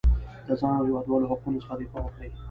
د ځان او هېوادوالو حقونو څخه دفاع وکړي.